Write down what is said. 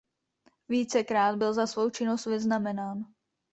Vícekrát byl za svou činnost vyznamenán.